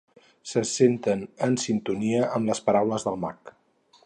Se senten en sintonia amb les paraules del mag.